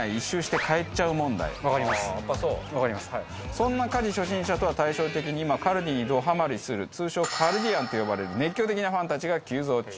そんな家事初心者とは対照的に今ＫＡＬＤＩにどハマりする通称カルディアンと呼ばれる熱狂的なファンたちが急増中。